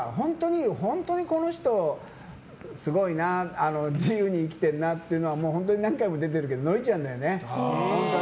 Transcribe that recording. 本当にこの人すごいな自由に生きているなと思うのは何回も出てるけどノリちゃんだね。